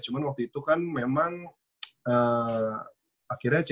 cuman waktu itu kan memang ya udah udah